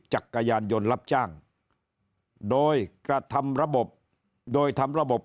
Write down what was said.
จักรยานยนต์รับจ้างโดยกระทำระบบโดยทำระบบ